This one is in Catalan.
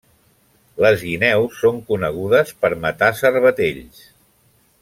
Les guineus són conegudes per matar cervatells.